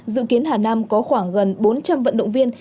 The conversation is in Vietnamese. dự kiến hà nam có khoảng gần bốn trăm linh vận động viên